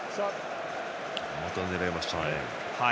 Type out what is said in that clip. また狙いましたね。